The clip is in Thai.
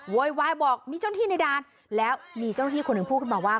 โวยวายบอกมีเจ้าหน้าที่ในด่านแล้วมีเจ้าหน้าที่คนหนึ่งพูดขึ้นมาว่า